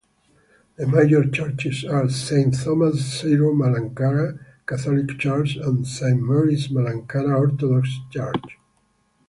The major churches are Saint Thomas Syro-Malankara Catholic Church and St.Mary's Malankara Orthodox Church.